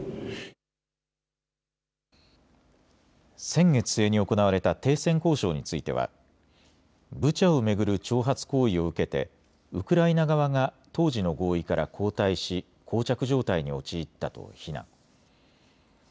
先月末に行われた停戦交渉についてはブチャを巡る挑発行為を受けてウクライナ側が当時の合意から後退しこう着状態に陥ったと非難。